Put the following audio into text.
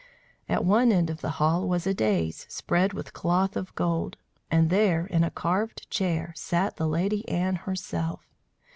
At one end of the hall was a dais spread with cloth of gold, and there, in a carved chair, sat the Lady Anne herself.